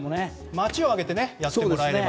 街を挙げてやってもらえれば。